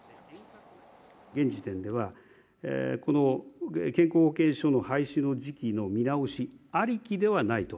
現時点では、この健康保険証の廃止の時期の見直しありきではないと。